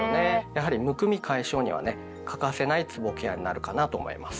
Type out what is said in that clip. やはりむくみ解消にはね欠かせないつぼケアになるかなと思います。